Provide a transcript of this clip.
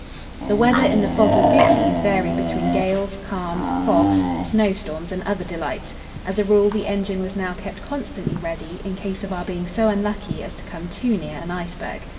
The weather in the "Foggy Fifties" varied between gales, calms, fogs, snowstorms, and other delights. As a rule, the engine was now kept constantly ready, in case of our being so unlucky as to come too near an iceberg.